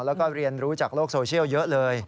แล้วก็เรียนรู้จากโลกโซเชียลเยอะเลย